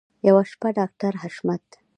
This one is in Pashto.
یوه شپه ډاکټر حشمت